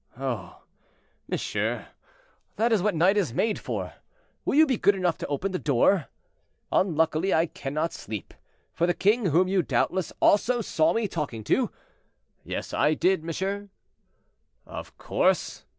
"Oh! monsieur, that is what night is made for; will you be good enough to open the door. Unluckily, I cannot sleep, for the king, whom you doubtless also saw me talking to—" "Yes, I did, monsieur." "Of course!"